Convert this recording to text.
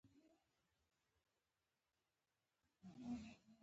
له احمد سره یې خپل پلار د پلندر رویه شروع کړې ده.